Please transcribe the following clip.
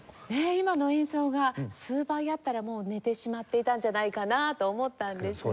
今の演奏が数倍あったらもう寝てしまっていたんじゃないかなと思ったんですが。